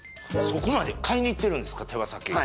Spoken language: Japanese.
そこまで買いに行ってるんですか手羽先を？